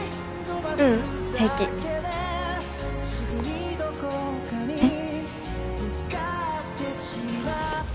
ううん平気えっ？